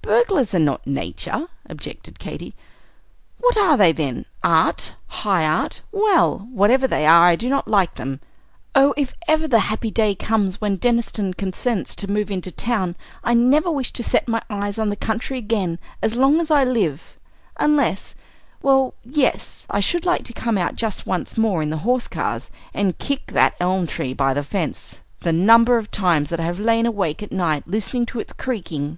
"Burglars are not Nature," objected Katy. "What are they, then? Art? High Art? Well, whatever they are, I do not like them. Oh, if ever the happy day comes when Deniston consents to move into town, I never wish to set my eyes on the country again as long as I live, unless well, yes, I should like to come out just once more in the horse cars and kick that elm tree by the fence! The number of times that I have lain awake at night listening to its creaking!"